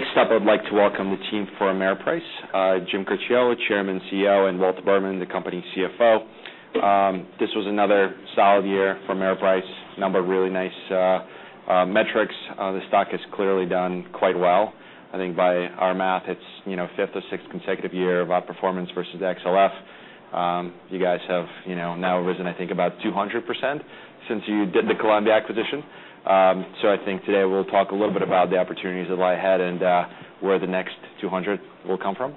Next up, I'd like to welcome the team for Ameriprise. Jim Cracchiolo, Chairman, CEO, and Walt Berman, the company's CFO. This was another solid year for Ameriprise. A number of really nice metrics. The stock has clearly done quite well. I think by our math, it's fifth or sixth consecutive year of outperformance versus XLF. You guys have now risen, I think, about 200% since you did the Columbia acquisition. I think today we'll talk a little bit about the opportunities that lie ahead and where the next 200 will come from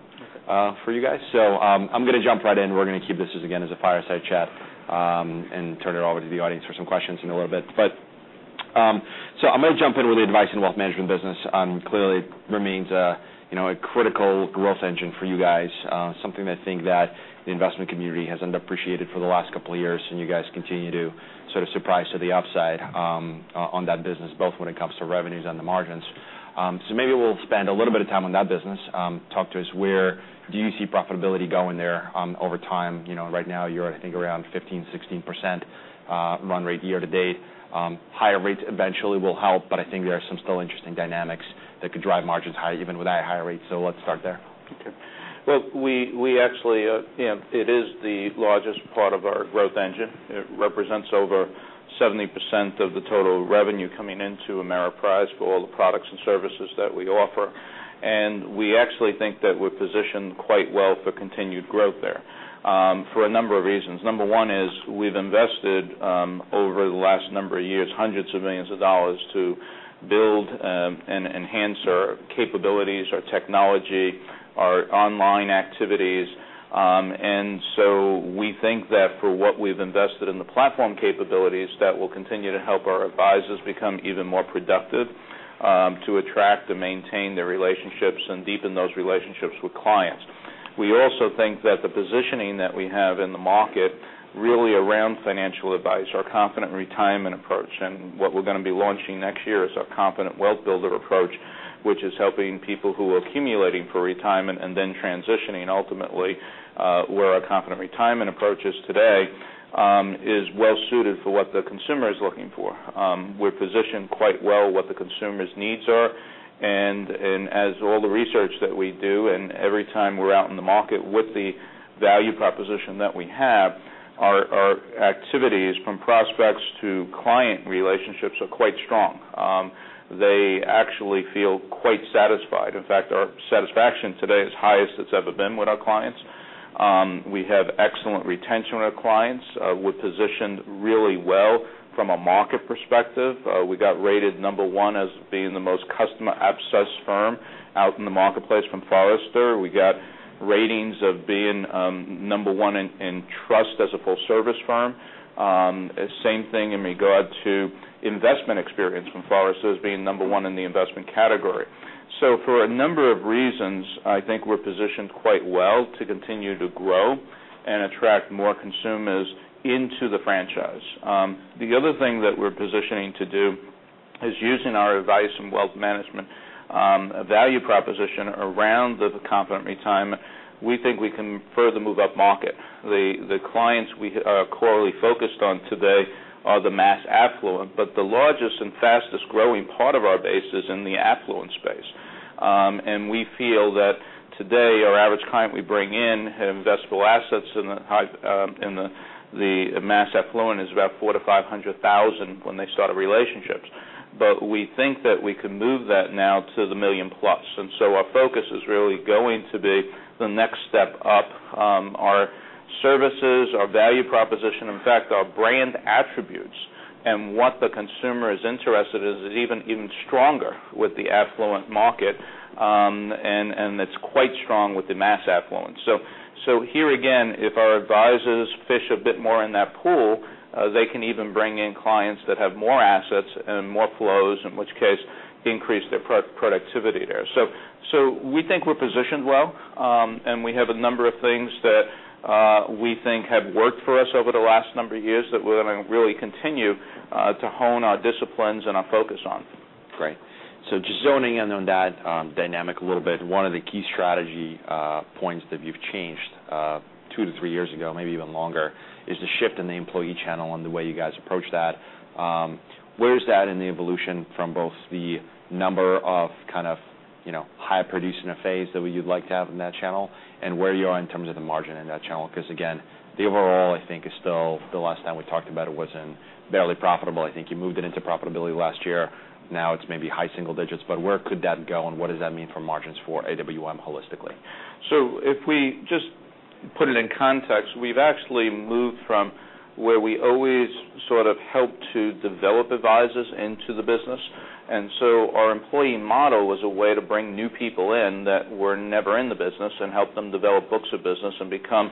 for you guys. I'm going to jump right in. We're going to keep this as, again, as a fireside chat, and turn it over to the audience for some questions in a little bit. I'm going to jump in with the Advice & Wealth Management business. Clearly, it remains a critical growth engine for you guys. Something I think that the investment community has underappreciated for the last couple of years, and you guys continue to sort of surprise to the upside on that business, both when it comes to revenues and the margins. Maybe we'll spend a little bit of time on that business. Talk to us, where do you see profitability going there over time? Right now you're, I think, around 15%-16% run rate year-to-date. Higher rates eventually will help, but I think there are some still interesting dynamics that could drive margins high even without higher rates. Let's start there. Well, it is the largest part of our growth engine. It represents over 70% of the total revenue coming into Ameriprise for all the products and services that we offer. We actually think that we're positioned quite well for continued growth there for a number of reasons. Number one is we've invested, over the last number of years, $hundreds of millions to build and enhance our capabilities, our technology, our online activities. We think that for what we've invested in the platform capabilities, that will continue to help our advisors become even more productive to attract and maintain their relationships and deepen those relationships with clients. We also think that the positioning that we have in the market really around financial advice, our Confident Retirement approach, and what we're going to be launching next year is our Confident Wealth Builder approach, which is helping people who are accumulating for retirement and then transitioning ultimately, where our Confident Retirement approach is today is well suited for what the consumer is looking for. We're positioned quite well what the consumer's needs are, and as all the research that we do, and every time we're out in the market with the value proposition that we have, our activities from prospects to client relationships are quite strong. They actually feel quite satisfied. In fact, our satisfaction today is the highest it's ever been with our clients. We have excellent retention with our clients. We're positioned really well from a market perspective. We got rated number one as being the most customer-obsessed firm out in the marketplace from Forrester. We got ratings of being number one in trust as a full-service firm. Same thing in regard to investment experience from Forrester as being number one in the investment category. For a number of reasons, I think we're positioned quite well to continue to grow and attract more consumers into the franchise. The other thing that we're positioning to do is using our advice and wealth management value proposition around the Confident Retirement. We think we can further move upmarket. The clients we are clearly focused on today are the mass affluent, but the largest and fastest-growing part of our base is in the affluent space. We feel that today our average client we bring in have investable assets in the mass affluent is about $400,000-$500,000 when they start relationships. We think that we can move that now to the $1 million plus. Our focus is really going to be the next step up. Our services, our value proposition, in fact, our brand attributes, and what the consumer is interested is even stronger with the affluent market, and it's quite strong with the mass affluent. Here again, if our advisors fish a bit more in that pool, they can even bring in clients that have more assets and more flows, in which case increase their productivity there. We think we're positioned well. We have a number of things that we think have worked for us over the last number of years that we're going to really continue to hone our disciplines and our focus on. Great. Just zoning in on that dynamic a little bit, one of the key strategy points that you've changed 2-3 years ago, maybe even longer, is the shift in the employee channel and the way you guys approach that. Where is that in the evolution from both the number of kind of high producing phase that you'd like to have in that channel and where you are in terms of the margin in that channel? Because again, the overall, I think, is still the last time we talked about it was in barely profitable. I think you moved it into profitability last year. Now it's maybe high single digits, but where could that go, and what does that mean for margins for AWM holistically? If we just put it in context, we've actually moved from where we always sort of helped to develop advisors into the business. Our employee model was a way to bring new people in that were never in the business and help them develop books of business and become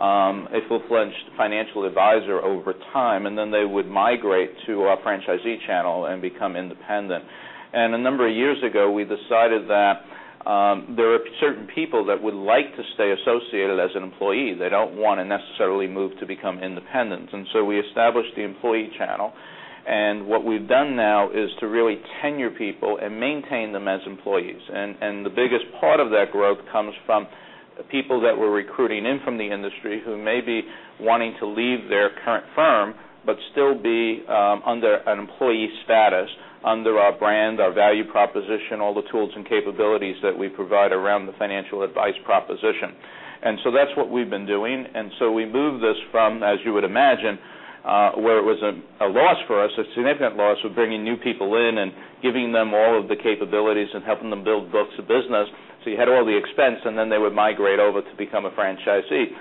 a full-fledged financial advisor over time. They would migrate to our franchisee channel and become independent. A number of years ago, we decided that there are certain people that would like to stay associated as an employee. They don't want to necessarily move to become independent. We established the employee channel. What we've done now is to really tenure people and maintain them as employees. The biggest part of that growth comes from The people that we're recruiting in from the industry who may be wanting to leave their current firm, but still be under an employee status under our brand, our value proposition, all the tools and capabilities that we provide around the financial advice proposition. That's what we've been doing. We moved this from, as you would imagine, where it was a loss for us, a significant loss of bringing new people in and giving them all of the capabilities and helping them build books of business. You had all the expense, and then they would migrate over to become a franchisee.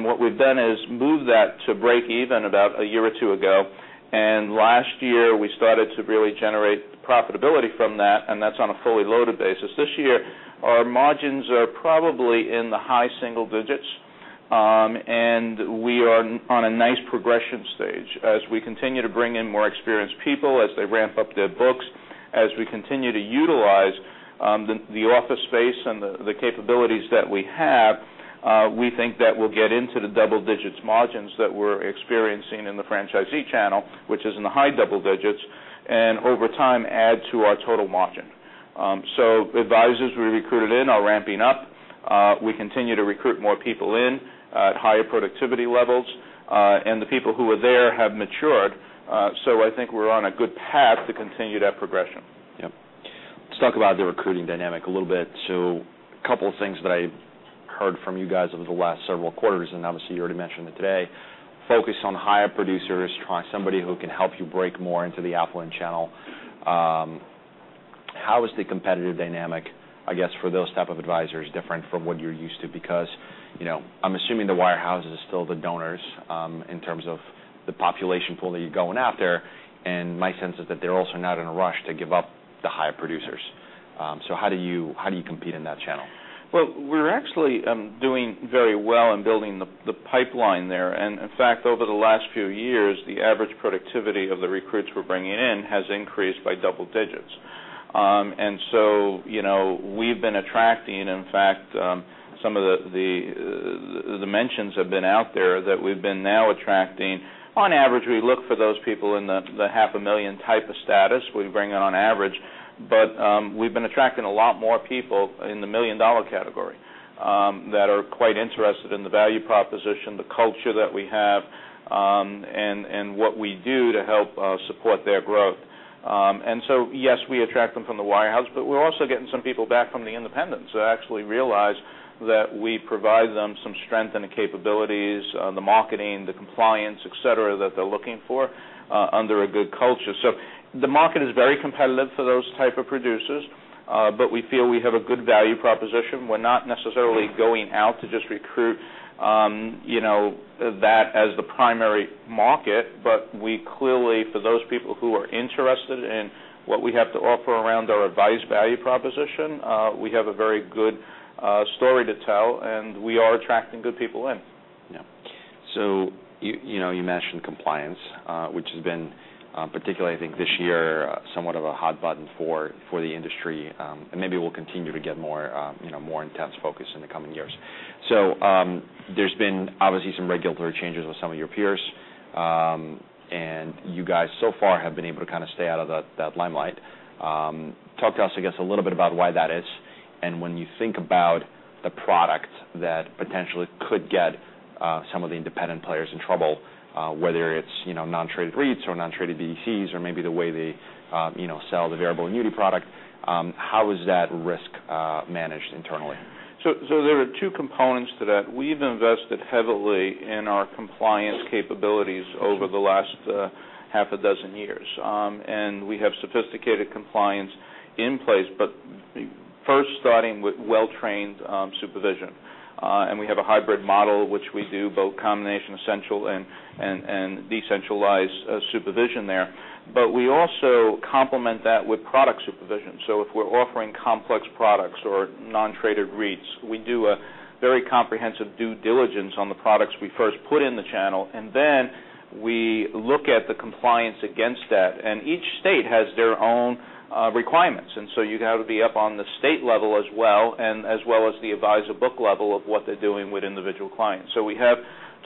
What we've done is move that to break even about a year or two ago. Last year, we started to really generate profitability from that, and that's on a fully loaded basis. This year, our margins are probably in the high single digits. We are on a nice progression stage as we continue to bring in more experienced people, as they ramp up their books, as we continue to utilize the office space and the capabilities that we have, we think that we'll get into the double-digit margins that we're experiencing in the franchisee channel, which is in the high double digits, and over time, add to our total margin. Advisors we recruited in are ramping up. We continue to recruit more people in at higher productivity levels. The people who were there have matured, so I think we're on a good path to continue that progression. Yep. Let's talk about the recruiting dynamic a little bit. A couple things that I heard from you guys over the last several quarters, and obviously you already mentioned it today, focus on higher producers, somebody who can help you break more into the affluent channel. How is the competitive dynamic, I guess, for those type of advisors different from what you're used to? I'm assuming the wirehouse is still the donors, in terms of the population pool that you're going after, and my sense is that they're also not in a rush to give up the higher producers. How do you compete in that channel? We're actually doing very well in building the pipeline there. In fact, over the last few years, the average productivity of the recruits we're bringing in has increased by double digits. We've been attracting, in fact, some of the dimensions have been out there that we've been now attracting. On average, we look for those people in the half a million type of status we bring on average, but we've been attracting a lot more people in the $1 million category that are quite interested in the value proposition, the culture that we have, and what we do to help support their growth. Yes, we attract them from the wirehouse, but we're also getting some people back from the independents that actually realize that we provide them some strength in the capabilities, the marketing, the compliance, et cetera, that they're looking for under a good culture. The market is very competitive for those type of producers. We feel we have a good value proposition. We're not necessarily going out to just recruit that as the primary market. We clearly, for those people who are interested in what we have to offer around our advice value proposition, we have a very good story to tell, and we are attracting good people in. Yeah. You mentioned compliance, which has been, particularly I think this year, somewhat of a hot button for the industry, and maybe will continue to get more intense focus in the coming years. There's been obviously some regulatory changes with some of your peers. You guys so far have been able to kind of stay out of that limelight. Talk to us, I guess, a little bit about why that is, and when you think about the product that potentially could get some of the independent players in trouble, whether it's non-traded REITs or non-traded BDCs or maybe the way they sell the variable annuity product, how is that risk managed internally? There are two components to that. We've invested heavily in our compliance capabilities over the last half a dozen years. We have sophisticated compliance in place. First starting with well-trained supervision. We have a hybrid model which we do both combination central and decentralized supervision there. We also complement that with product supervision. If we're offering complex products or non-traded REITs, we do a very comprehensive due diligence on the products we first put in the channel, and then we look at the compliance against that. Each state has their own requirements, you'd have to be up on the state level as well, and as well as the advisor book level of what they're doing with individual clients. We have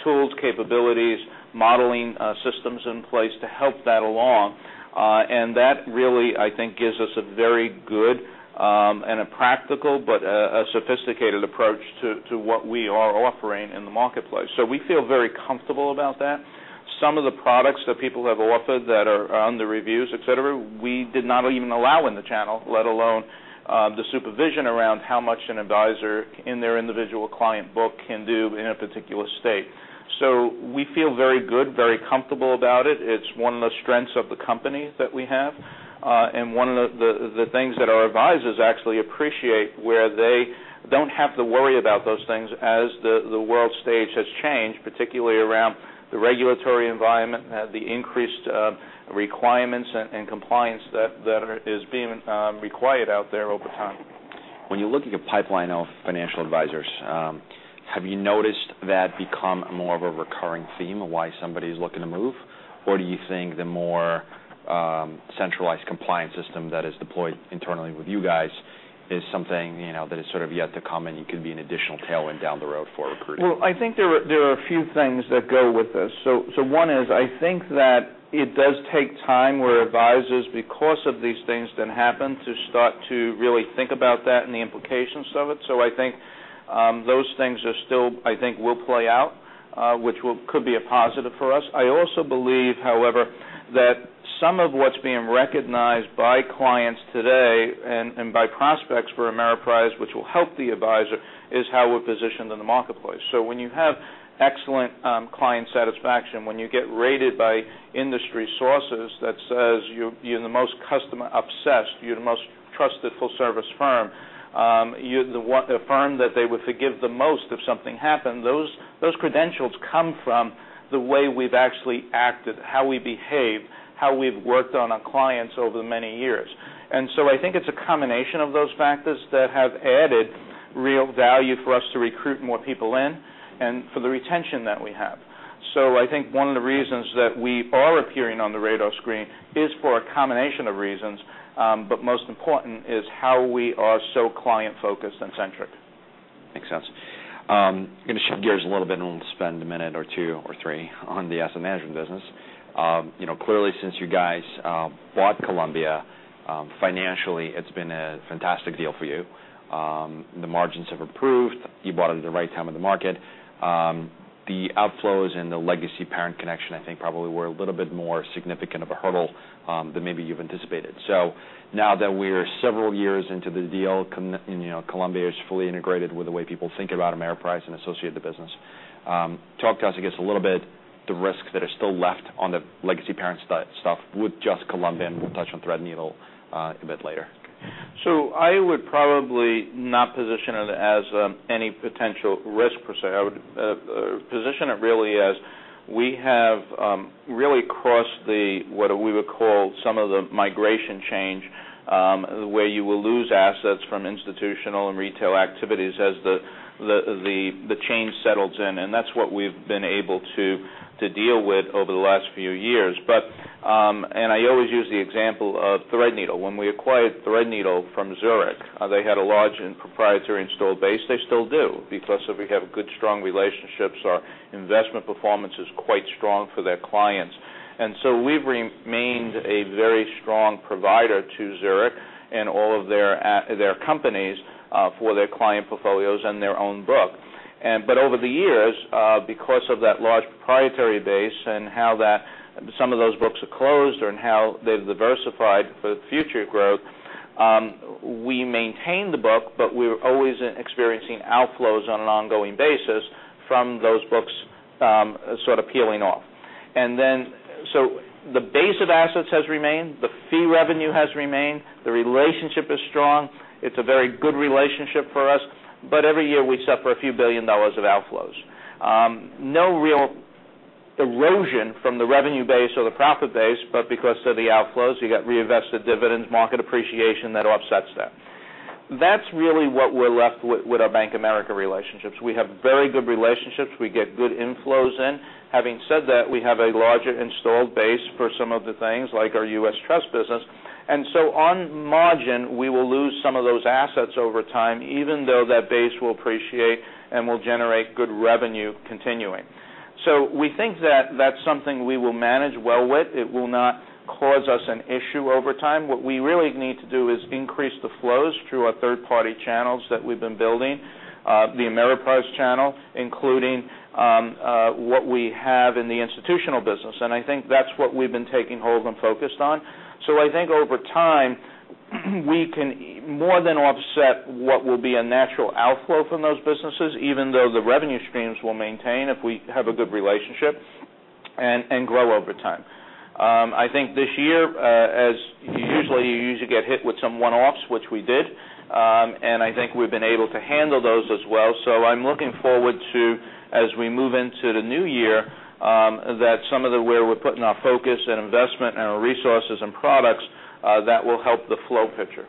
tools, capabilities, modeling systems in place to help that along. That really, I think, gives us a very good, and a practical, but a sophisticated approach to what we are offering in the marketplace. We feel very comfortable about that. Some of the products that people have offered that are under reviews, et cetera, we did not even allow in the channel, let alone the supervision around how much an advisor in their individual client book can do in a particular state. We feel very good, very comfortable about it. It's one of the strengths of the company that we have. One of the things that our advisors actually appreciate, where they don't have to worry about those things as the world stage has changed, particularly around the regulatory environment and the increased requirements and compliance that is being required out there over time. When you're looking at pipeline of financial advisors, have you noticed that become more of a recurring theme of why somebody's looking to move? Or do you think the more centralized compliance system that is deployed internally with you guys is something that is sort of yet to come, and it could be an additional tailwind down the road for recruiting? Well, I think there are a few things that go with this. One is, I think that it does take time where advisors, because of these things that happen, to start to really think about that and the implications of it. I think those things are still, I think, will play out. Which could be a positive for us. I also believe, however, that some of what's being recognized by clients today and by prospects for Ameriprise, which will help the advisor, is how we're positioned in the marketplace. When you have excellent client satisfaction, when you get rated by industry sources that says you're the most customer-obsessed, you're the most trusted full-service firm, you're the firm that they would forgive the most if something happened, those credentials come from the way we've actually acted, how we behave, how we've worked on our clients over the many years. I think it's a combination of those factors that have added real value for us to recruit more people in and for the retention that we have. I think one of the reasons that we are appearing on the radar screen is for a combination of reasons, but most important is how we are so client-focused and centric. Makes sense. I'm going to shift gears a little bit, and we'll spend a minute or two or three on the asset management business. Clearly, since you guys bought Columbia, financially, it's been a fantastic deal for you. The margins have improved. You bought it at the right time in the market. The outflows and the legacy parent connection, I think, probably were a little bit more significant of a hurdle than maybe you've anticipated. Now that we're several years into the deal, and Columbia is fully integrated with the way people think about Ameriprise and associate the business, talk to us, I guess, a little bit, the risks that are still left on the legacy parent stuff with just Columbia, and we'll touch on Threadneedle a bit later. I would probably not position it as any potential risk per se. I would position it really as we have really crossed what we would call some of the migration change where you will lose assets from institutional and retail activities as the change settles in, and that's what we've been able to deal with over the last few years. I always use the example of Threadneedle. When we acquired Threadneedle from Zurich, they had a large and proprietary installed base. They still do because we have good, strong relationships. Our investment performance is quite strong for their clients. We've remained a very strong provider to Zurich and all of their companies for their client portfolios and their own book. Over the years, because of that large proprietary base and how some of those books are closed and how they've diversified for future growth, we maintain the book, but we're always experiencing outflows on an ongoing basis from those books sort of peeling off. The base of assets has remained, the fee revenue has remained, the relationship is strong. It's a very good relationship for us, but every year we suffer a few billion dollars of outflows. No real erosion from the revenue base or the profit base, but because of the outflows, you got reinvested dividends, market appreciation that offsets that. That's really what we're left with our Bank of America relationships. We have very good relationships. We get good inflows in. Having said that, we have a larger installed base for some of the things, like our U.S. Trust business. On margin, we will lose some of those assets over time, even though that base will appreciate and will generate good revenue continuing. We think that that's something we will manage well with. It will not cause us an issue over time. What we really need to do is increase the flows through our third-party channels that we've been building, the Ameriprise channel, including what we have in the institutional business, and I think that's what we've been taking hold of and focused on. I think over time, we can more than offset what will be a natural outflow from those businesses, even though the revenue streams will maintain if we have a good relationship and grow over time. I think this year, as usually, you usually get hit with some one-offs, which we did, and I think we've been able to handle those as well. I'm looking forward to, as we move into the new year, that some of where we're putting our focus and investment and our resources and products, that will help the flow picture.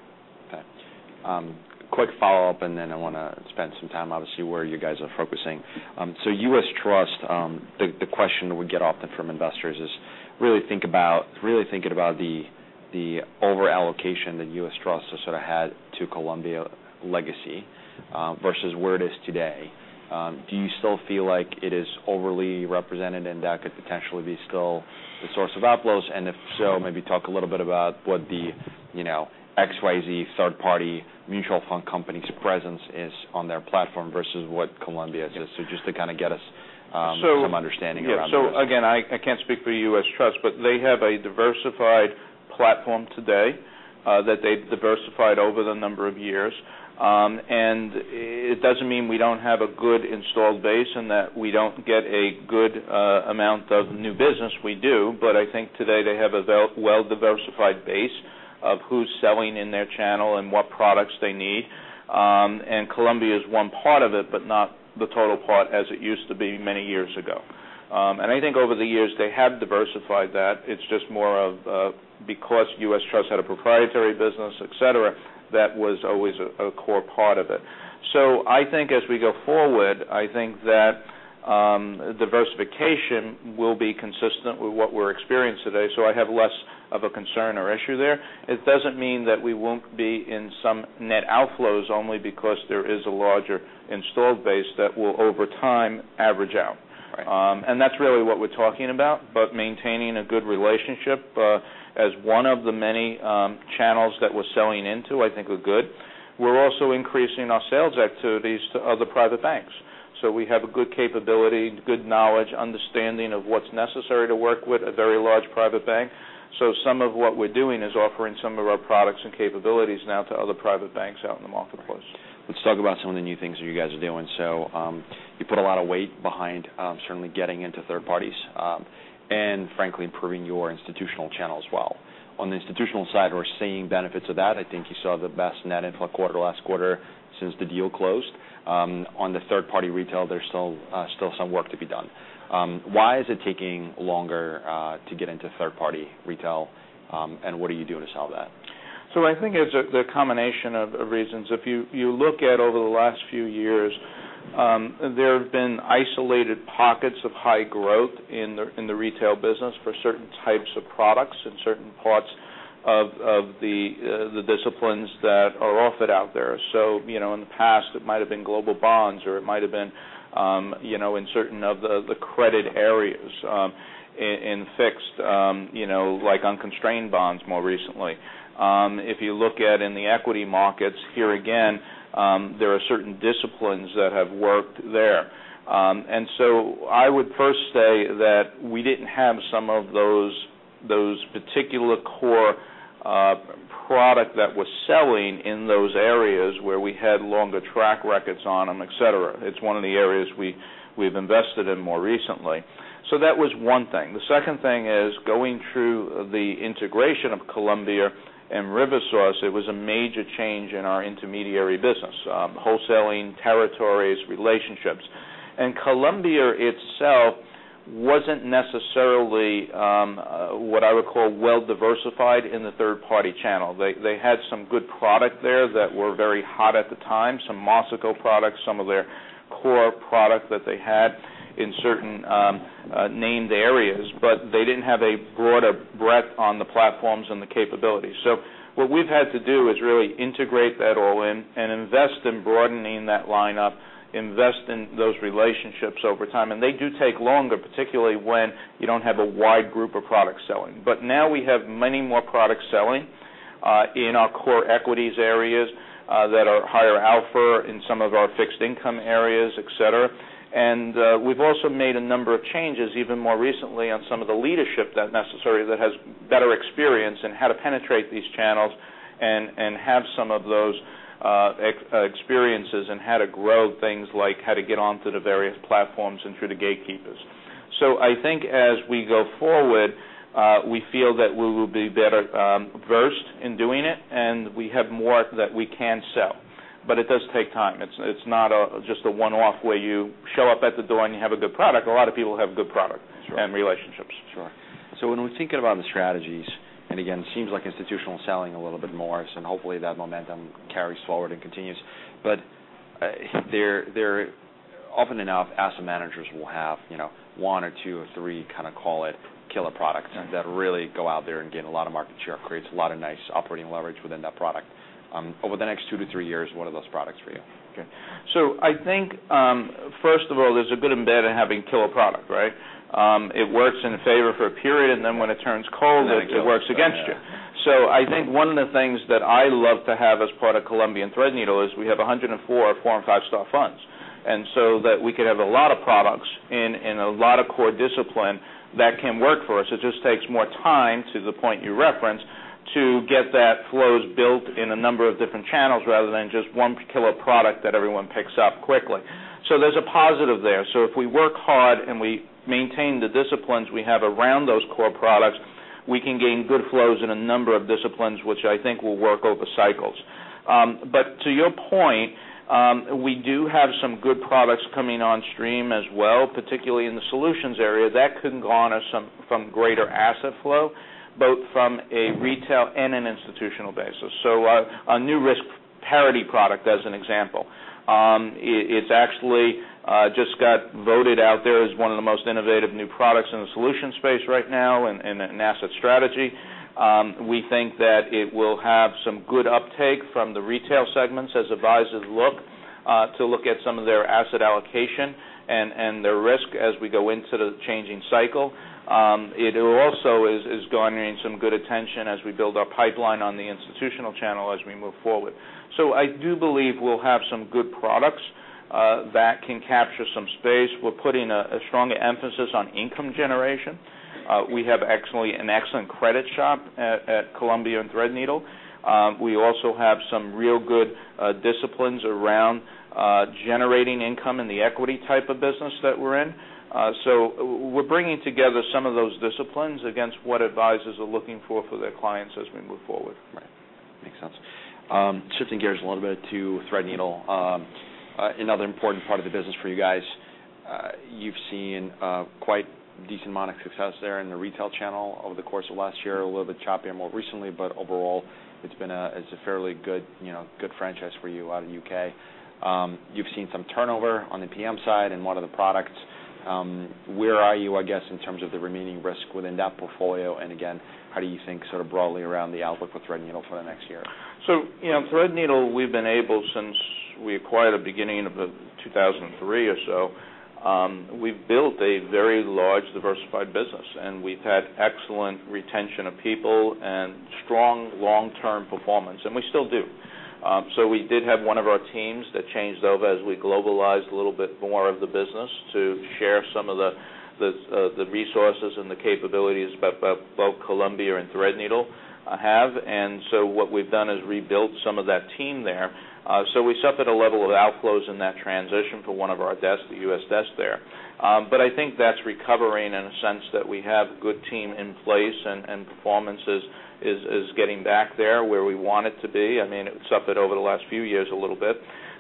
Okay. Quick follow-up, I want to spend some time, obviously, where you guys are focusing. U.S. Trust, the question that we get often from investors is really thinking about the over-allocation that U.S. Trust has had to Columbia Legacy versus where it is today. Do you still feel like it is overly represented, and that could potentially be still the source of outflows? If so, maybe talk a little bit about what the XYZ third-party mutual fund company's presence is on their platform versus what Columbia's is. Just to kind of get us some understanding around that. Again, I can't speak for U.S. Trust, they have a diversified platform today that they've diversified over the number of years. It doesn't mean we don't have a good installed base and that we don't get a good amount of new business. We do. I think today they have a well-diversified base of who's selling in their channel and what products they need, and Columbia is one part of it, but not the total part as it used to be many years ago. I think over the years, they have diversified that. It's just more of because U.S. Trust had a proprietary business, et cetera, that was always a core part of it. I think as we go forward, I think that diversification will be consistent with what we're experienced today. I have less of a concern or issue there. It doesn't mean that we won't be in some net outflows only because there is a larger installed base that will, over time, average out. Right. That's really what we're talking about. Maintaining a good relationship as one of the many channels that we're selling into, I think we're good. We're also increasing our sales activities to other private banks. We have a good capability, good knowledge, understanding of what's necessary to work with a very large private bank. Some of what we're doing is offering some of our products and capabilities now to other private banks out in the marketplace. Let's talk about some of the new things that you guys are doing. You put a lot of weight behind certainly getting into third parties, and frankly, improving your institutional channel as well. On the institutional side, we're seeing benefits of that. I think you saw the best net inflow quarter last quarter since the deal closed. On the third-party retail, there's still some work to be done. Why is it taking longer to get into third-party retail? What are you doing to solve that? I think it's a combination of reasons. If you look at over the last few years, there have been isolated pockets of high growth in the retail business for certain types of products and certain parts of the disciplines that are offered out there. In the past, it might have been global bonds, or it might have been in certain of the credit areas in fixed, like unconstrained bonds more recently. If you look at in the equity markets, here again, there are certain disciplines that have worked there. I would first say that we didn't have some of those particular core product that was selling in those areas where we had longer track records on them, et cetera. It's one of the areas we've invested in more recently. That was one thing. The second thing is going through the integration of Columbia and RiverSource, it was a major change in our intermediary business, wholesaling territories, relationships. Columbia itself wasn't necessarily what I would call well-diversified in the third-party channel. They had some good product there that were very hot at the time, some Marsico products, some of their core product that they had in certain named areas, but they didn't have a broader breadth on the platforms and the capabilities. What we've had to do is really integrate that all in and invest in broadening that lineup, invest in those relationships over time. They do take longer, particularly when you don't have a wide group of product selling. Now we have many more products selling in our core equities areas that are higher alpha in some of our fixed income areas, et cetera. We've also made a number of changes even more recently on some of the leadership that necessarily has better experience in how to penetrate these channels, and have some of those experiences, and how to grow things like how to get onto the various platforms and through the gatekeepers. I think as we go forward, we feel that we will be better versed in doing it, and we have more that we can sell. It does take time. It's not just a one-off where you show up at the door and you have a good product. A lot of people have good product Sure and relationships. Sure. When we think about the strategies, and again, seems like institutional selling a little bit more, so hopefully that momentum carries forward and continues. Often enough, asset managers will have one or two or three, call it killer products Right that really go out there and gain a lot of market share, creates a lot of nice operating leverage within that product. Over the next two to three years, what are those products for you? I think, first of all, there's a good embed in having killer product, right? It works in favor for a period, then when it turns cold- It goes it works against you. I think one of the things that I love to have as part of Columbia Threadneedle is we have 104 four and five-star funds. That we could have a lot of products in a lot of core discipline that can work for us. It just takes more time, to the point you referenced, to get that flows built in a number of different channels rather than just one killer product that everyone picks up quickly. There's a positive there. If we work hard and we maintain the disciplines we have around those core products, we can gain good flows in a number of disciplines, which I think will work over cycles. To your point, we do have some good products coming on stream as well, particularly in the solutions area. That can garner some from greater asset flow, both from a retail and an institutional basis. A new risk parity product, as an example. It's actually just got voted out there as one of the most innovative new products in the solution space right now in asset strategy. We think that it will have some good uptake from the retail segments as advisors look to look at some of their asset allocation, and their risk as we go into the changing cycle. It also is garnering some good attention as we build our pipeline on the institutional channel as we move forward. I do believe we'll have some good products that can capture some space. We're putting a strong emphasis on income generation. We have actually an excellent credit shop at Columbia and Threadneedle. We also have some real good disciplines around generating income in the equity type of business that we're in. We're bringing together some of those disciplines against what advisors are looking for for their clients as we move forward. Right. Makes sense. Shifting gears a little bit to Threadneedle, another important part of the business for you guys. You've seen quite decent amount of success there in the retail channel over the course of last year, a little bit choppier more recently, but overall, it's a fairly good franchise for you out of U.K. You've seen some turnover on the PM side in one of the products. Where are you, I guess, in terms of the remaining risk within that portfolio? Again, how do you think sort of broadly around the outlook for Threadneedle for the next year? Threadneedle, we've been able since we acquired at the beginning of 2003 or so. We've built a very large, diversified business, and we've had excellent retention of people and strong long-term performance, and we still do. We did have one of our teams that changed over as we globalized a little bit more of the business to share some of the resources and the capabilities both Columbia and Threadneedle have. What we've done is rebuilt some of that team there. We suffered a level of outflows in that transition for one of our desks, the U.S. desk there. I think that's recovering in a sense that we have a good team in place, and performance is getting back there where we want it to be. It suffered over the last few years a little bit.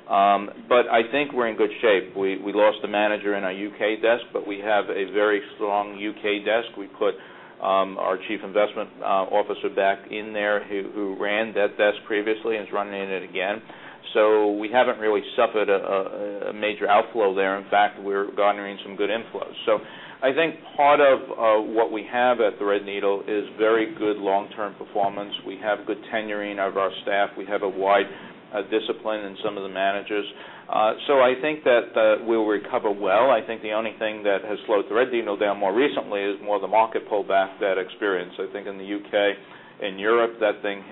I think we're in good shape. We lost a manager in our U.K. desk, but we have a very strong U.K. desk. We put our Chief Investment Officer back in there who ran that desk previously and is running it again. We haven't really suffered a major outflow there. In fact, we're garnering some good inflows. I think part of what we have at Threadneedle is very good long-term performance. We have good tenuring of our staff. We have a wide discipline in some of the managers. I think that we'll recover well. I think the only thing that has slowed Threadneedle down more recently is more the market pullback that experience. I think in the U.K. and Europe, that thing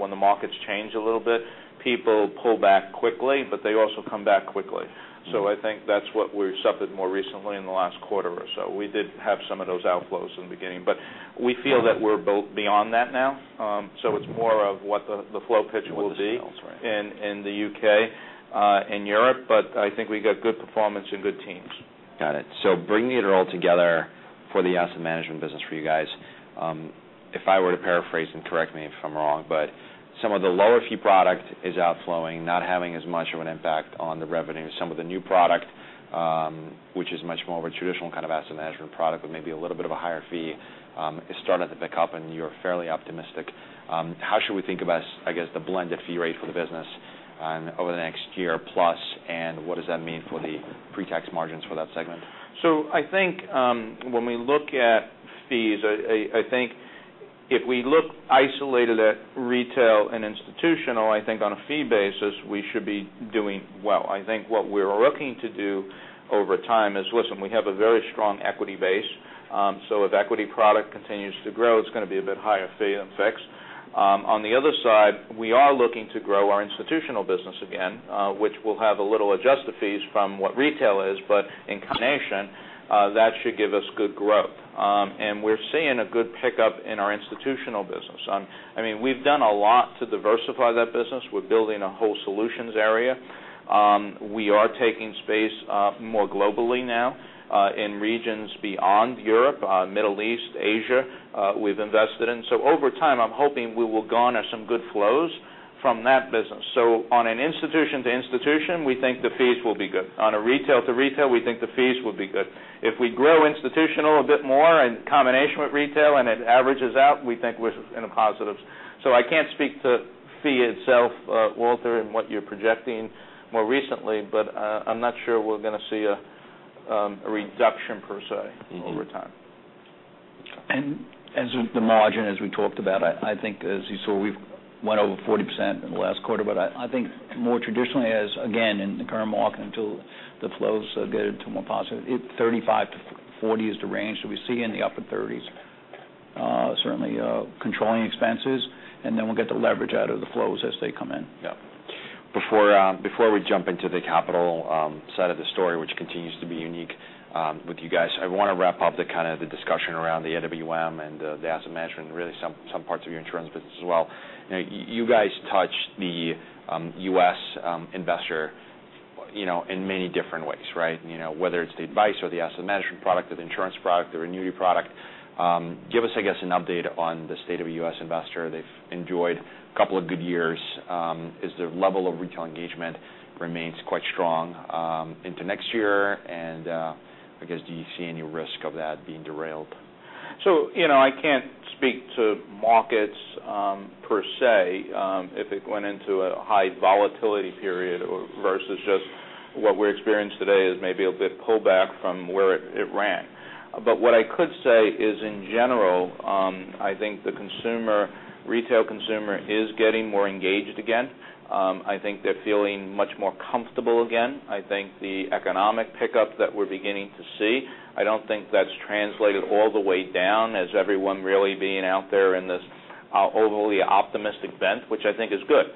when the markets change a little bit, people pull back quickly, but they also come back quickly. I think that's what we suffered more recently in the last quarter or so. We did have some of those outflows in the beginning, but we feel that we're both beyond that now. It's more of what the flow picture will be. What the sales were. In the U.K., in Europe, but I think we got good performance and good teams. Got it. Bringing it all together for the asset management business for you guys. If I were to paraphrase, and correct me if I'm wrong, but some of the lower fee product is outflowing, not having as much of an impact on the revenue. Some of the new product, which is much more of a traditional kind of asset management product with maybe a little bit of a higher fee, is starting to pick up and you're fairly optimistic. How should we think about, I guess, the blended fee rate for the business over the next year plus, and what does that mean for the pre-tax margins for that segment? I think when we look at fees, I think if we look isolated at retail and institutional, I think on a fee basis, we should be doing well. I think what we're looking to do over time is, listen, we have a very strong equity base. If the equity product continues to grow, it's going to be a bit higher fee and fixed. On the other side, we are looking to grow our institutional business again, which will have a little adjusted fees from what retail is, but in combination, that should give us good growth. We're seeing a good pickup in our institutional business. We've done a lot to diversify that business. We're building a whole solutions area. We are taking space more globally now in regions beyond Europe, Middle East, Asia we've invested in. Over time, I'm hoping we will garner some good flows from that business. On an institution to institution, we think the fees will be good. On a retail to retail, we think the fees will be good. If we grow institutional a bit more in combination with retail and it averages out, we think we're in a positive. I can't speak to the fee itself, Walter, and what you're projecting more recently, but I'm not sure we're going to see a reduction per se over time. As with the margin, as we talked about, I think as you saw, we went over 40% in the last quarter, but I think more traditionally as, again, in the current market until the flows get into more positive, 35% to 40% is the range that we see in the upper 30s. Certainly controlling expenses, we'll get the leverage out of the flows as they come in. Yeah. Before we jump into the capital side of the story, which continues to be unique with you guys, I want to wrap up the kind of the discussion around the AWM and the asset management, really some parts of your insurance business as well. You guys touch the U.S. investor in many different ways. Whether it's the advice or the asset management product or the insurance product or annuity product, give us, I guess, an update on the state of a U.S. investor. They've enjoyed a couple of good years. Is their level of retail engagement remains quite strong into next year? I guess, do you see any risk of that being derailed? I can't speak to markets per se, if it went into a high volatility period versus just what we experience today is maybe a bit pullback from where it ran. What I could say is, in general, I think the retail consumer is getting more engaged again. I think they're feeling much more comfortable again. I think the economic pickup that we're beginning to see, I don't think that's translated all the way down as everyone really being out there in this overly optimistic bent, which I think is good.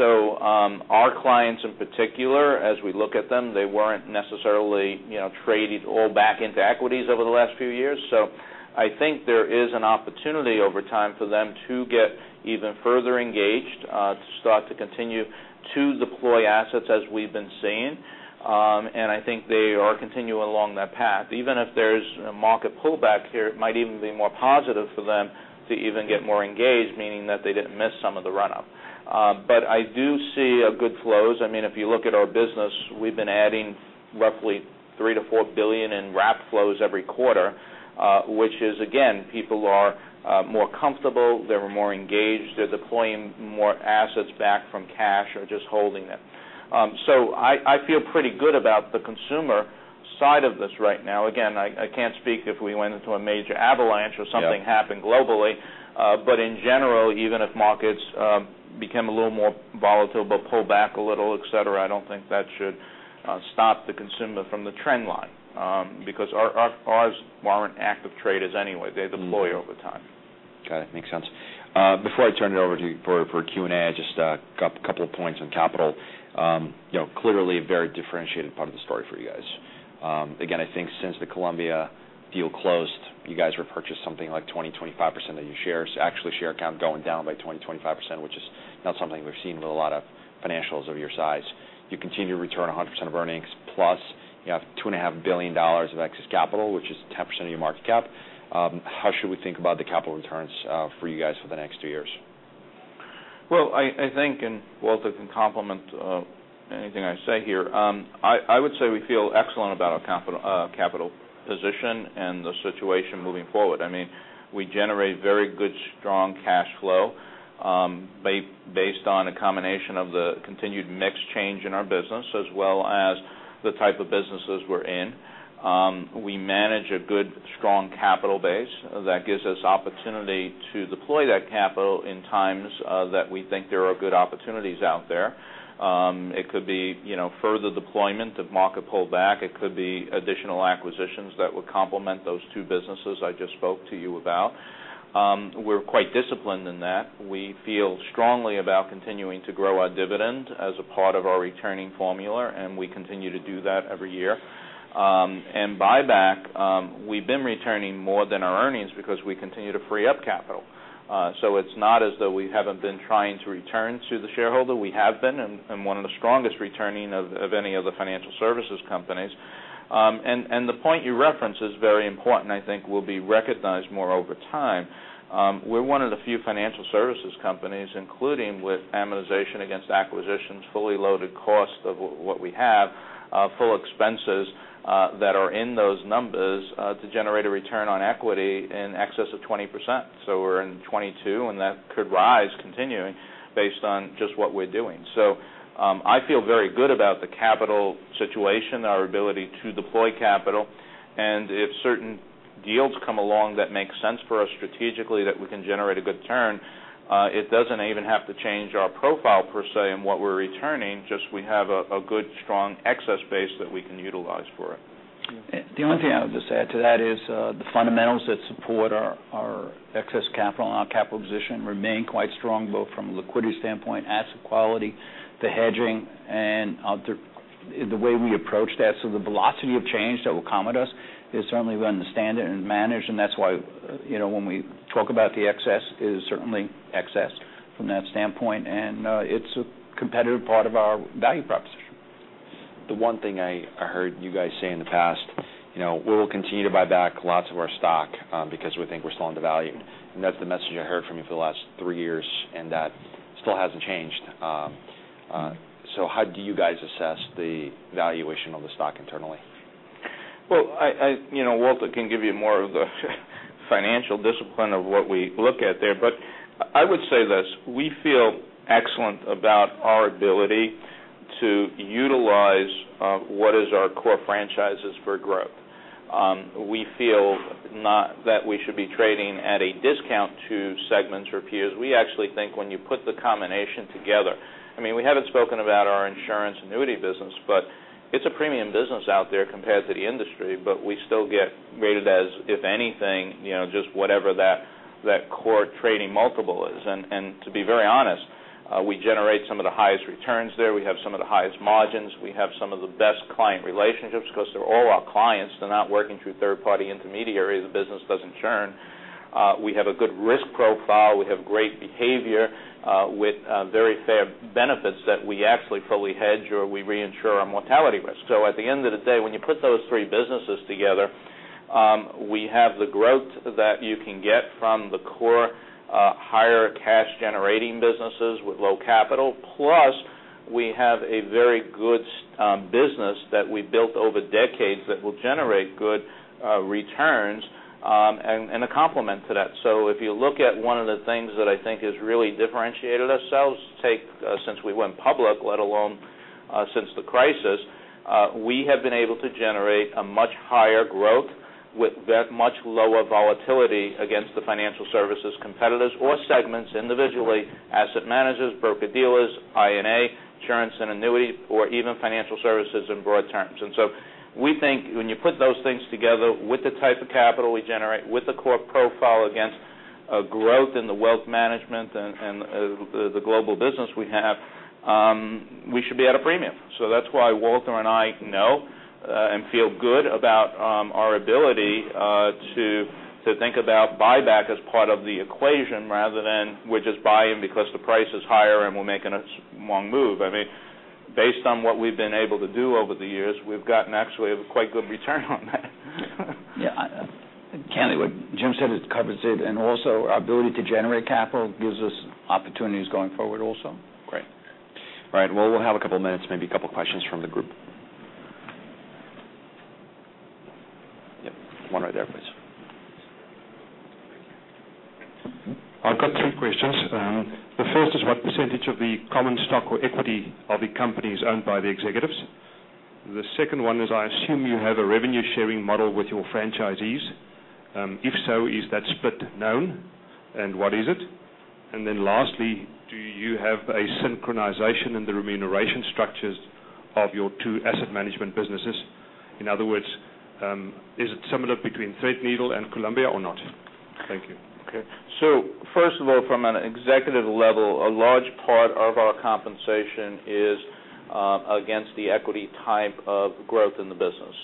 Our clients in particular, as we look at them, they weren't necessarily trading all back into equities over the last few years. I think there is an opportunity over time for them to get even further engaged, to start to continue to deploy assets as we've been seeing. I think they are continuing along that path. Even if there's a market pullback here, it might even be more positive for them to even get more engaged, meaning that they didn't miss some of the run-up. I do see good flows. If you look at our business, we've been adding roughly $3 billion-$4 billion in wrap flows every quarter, which is, again, people are more comfortable, they were more engaged, they're deploying more assets back from cash or just holding it. I feel pretty good about the consumer side of this right now. Again, I can't speak if we went into a major avalanche or something happened globally. In general, even if markets become a little more volatile, pull back a little, et cetera, I don't think that should stop the consumer from the trend line. Because ours aren't active traders anyway. They deploy over time. Okay. Makes sense. Before I turn it over to you for Q&A, just a couple of points on capital. Clearly a very differentiated part of the story for you guys. Again, I think since the Columbia deal closed, you guys repurchased something like 20%-25% of your shares. Actually, share count going down by 20%-25%, which is not something we've seen with a lot of financials of your size. You continue to return 100% of earnings, plus you have $2.5 billion of excess capital, which is 10% of your market cap. How should we think about the capital returns for you guys for the next two years? I think, Walt can complement anything I say here. I would say we feel excellent about our capital position and the situation moving forward. We generate very good, strong cash flow based on a combination of the continued mix change in our business as well as the type of businesses we're in. We manage a good, strong capital base that gives us opportunity to deploy that capital in times that we think there are good opportunities out there. It could be further deployment if market pull back. It could be additional acquisitions that would complement those two businesses I just spoke to you about. We're quite disciplined in that. We feel strongly about continuing to grow our dividend as a part of our returning formula, and we continue to do that every year. Buyback, we've been returning more than our earnings because we continue to free up capital. It's not as though we haven't been trying to return to the shareholder. We have been, and one of the strongest returning of any of the financial services companies. The point you reference is very important, I think, will be recognized more over time. We're one of the few financial services companies, including with amortization against acquisitions, fully loaded cost of what we have, full expenses that are in those numbers to generate a return on equity in excess of 20%. We're in 22%, and that could rise continuing based on just what we're doing. I feel very good about the capital situation, our ability to deploy capital, and if certain deals come along that make sense for us strategically that we can generate a good return, it doesn't even have to change our profile per se in what we're returning, just we have a good, strong excess base that we can utilize for it. The only thing I would just add to that is the fundamentals that support our excess capital and our capital position remain quite strong, both from a liquidity standpoint, asset quality to hedging and the way we approach that. The velocity of change that will come at us is certainly within the standard and managed, and that's why when we talk about the excess, it is certainly excess from that standpoint, and it's a competitive part of our value proposition. The one thing I heard you guys say in the past, "We will continue to buy back lots of our stock because we think we're still undervalued." That's the message I heard from you for the last three years, and that still hasn't changed. How do you guys assess the valuation of the stock internally? Well, Walter can give you more of the financial discipline of what we look at there. I would say this, we feel excellent about our ability to utilize what is our core franchises for growth. We feel not that we should be trading at a discount to segments or peers. We actually think when you put the combination together, we haven't spoken about our insurance annuity business, but it's a premium business out there compared to the industry, but we still get rated as, if anything, just whatever that core trading multiple is. To be very honest, we generate some of the highest returns there. We have some of the highest margins. We have some of the best client relationships because they're all our clients. They're not working through third-party intermediary. The business doesn't churn. We have a good risk profile. We have great behavior with very fair benefits that we actually fully hedge or we reinsure our mortality risk. At the end of the day, when you put those three businesses together, we have the growth that you can get from the core higher cash generating businesses with low capital. Plus, we have a very good business that we built over decades that will generate good returns and a complement to that. If you look at one of the things that I think has really differentiated ourselves since we went public, let alone since the crisis, we have been able to generate a much higher growth with much lower volatility against the financial services competitors or segments individually, asset managers, broker-dealers, I&A, insurance and annuity, or even financial services in broad terms. We think when you put those things together with the type of capital we generate, with the core profile against growth in the wealth management and the global business we have, we should be at a premium. That's why Walter and I know and feel good about our ability to think about buyback as part of the equation rather than we're just buying because the price is higher and we're making a smart move. Based on what we've been able to do over the years, we've gotten actually a quite good return on that. Yeah. Jim said it covers it and also our ability to generate capital gives us opportunities going forward also. Great. All right. Well, we'll have a couple of minutes, maybe a couple of questions from the group. Yep. One right there, please. I've got three questions. The first is, what percentage of the common stock or equity of the company is owned by the executives? The second one is, I assume you have a revenue-sharing model with your franchisees. If so, is that split known, and what is it? Lastly, do you have a synchronization in the remuneration structures of your two asset management businesses? In other words, is it similar between Threadneedle and Columbia or not? Thank you. Okay. First of all, from an executive level, a large part of our compensation is against the equity type of growth in the business.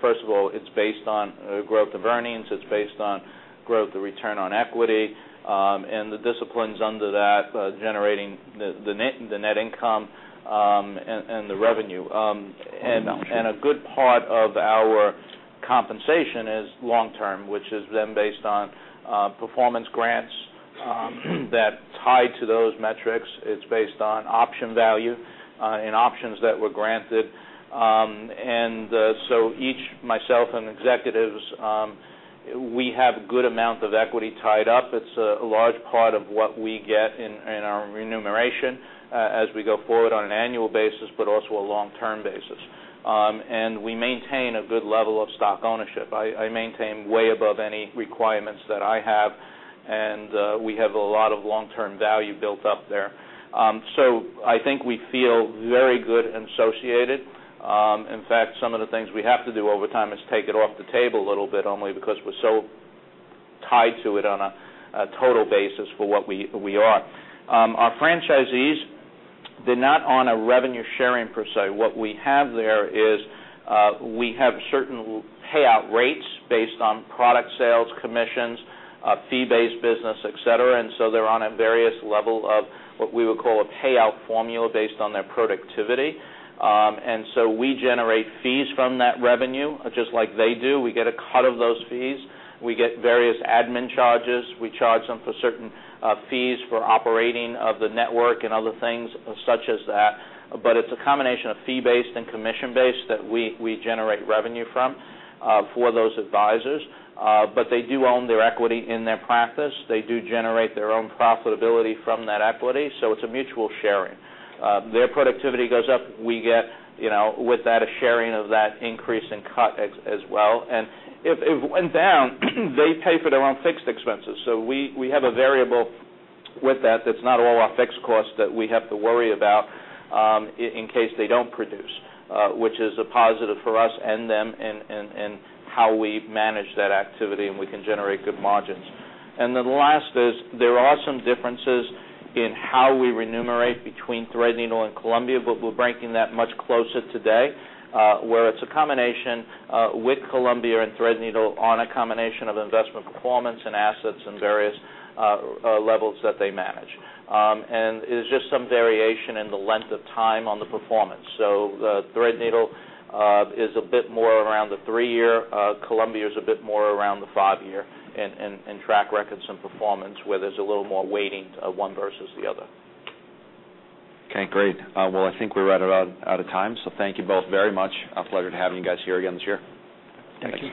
First of all, it's based on growth of earnings, it's based on growth of return on equity, and the disciplines under that, generating the net income and the revenue. A good part of our compensation is long-term, which is then based on performance grants that tie to those metrics. It's based on option value and options that were granted. Each, myself and executives, we have a good amount of equity tied up. It's a large part of what we get in our remuneration as we go forward on an annual basis, but also a long-term basis. We maintain a good level of stock ownership. I maintain way above any requirements that I have, we have a lot of long-term value built up there. I think we feel very good and associated. In fact, some of the things we have to do over time is take it off the table a little bit only because we're so tied to it on a total basis for what we are. Our franchisees, they're not on a revenue sharing per se. What we have there is, we have certain payout rates based on product sales, commissions, fee-based business, et cetera. They're on a various level of what we would call a payout formula based on their productivity. We generate fees from that revenue, just like they do. We get a cut of those fees. We get various admin charges. We charge them for certain fees for operating of the network and other things such as that. It's a combination of fee-based and commission-based that we generate revenue from for those advisors. They do own their equity in their practice. They do generate their own profitability from that equity, so it's a mutual sharing. Their productivity goes up, we get with that, a sharing of that increase in cut as well. If it went down, they pay for their own fixed expenses. We have a variable with that's not all our fixed costs that we have to worry about in case they don't produce, which is a positive for us and them in how we manage that activity, and we can generate good margins. The last is, there are some differences in how we remunerate between Threadneedle and Columbia, but we're bringing that much closer today, where it's a combination with Columbia and Threadneedle on a combination of investment performance and assets and various levels that they manage. It's just some variation in the length of time on the performance. Threadneedle is a bit more around the three-year, Columbia is a bit more around the five-year in track records and performance, where there's a little more weighting of one versus the other. Okay, great. I think we're out of time, thank you both very much. A pleasure to have you guys here again this year. Thank you.